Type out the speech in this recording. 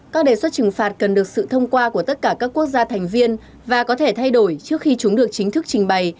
các đề xuất trừng phạt cần được sự thông qua của tất cả các quốc gia thành viên và có thể thay đổi trước khi chúng được chính thức trình bày